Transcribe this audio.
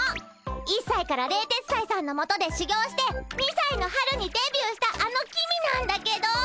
１さいから冷徹斎さんの元でしゅぎょうして２さいの春にデビューしたあの公なんだけど。